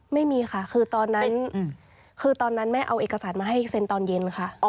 ไม่มีค่ะคือตอนนั้นคือตอนนั้นแม่เอาเอกสารมาให้เซ็นตอนเย็นค่ะ